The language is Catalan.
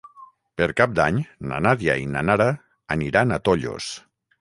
Per Cap d'Any na Nàdia i na Nara aniran a Tollos.